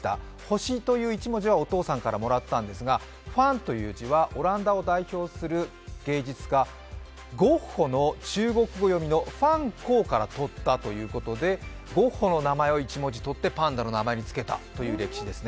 星という１文字はお父さんからもらったんですが、梵という字はオランダを代表する芸術家、ゴッホの中国語読みの梵高からゴッホの名前を１文字とってパンダにつけたということです。